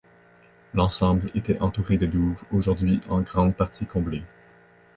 L'ensemble était entouré de douves aujourd'hui en grande partie comblées.